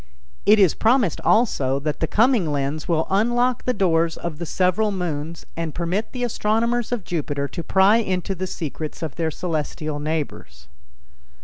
It is promised also that the coming lens will unlock the doors of the several moons and permit the astronomers of Jupiter to pry into the secrets of their celestial neighbors.